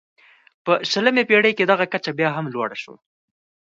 په شلمې پېړۍ کې دغه کچه بیا هم لوړه شوه.